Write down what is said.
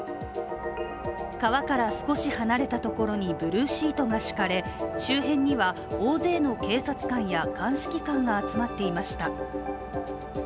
川から少し離れたところにブルーシートが敷かれ周辺には大勢の警察官や鑑識官が集まっていました。